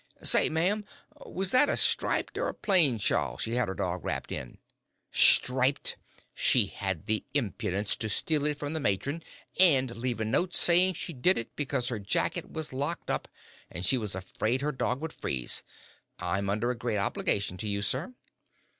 "Say, ma'am, was that a striped or a plain shawl she had her dog wrapped in?" "Striped she had the impudence to steal it from the matron, and leave a note saying she did it because her jacket was locked up, and she was afraid her dog would freeze I'm under a great obligation to you, sir."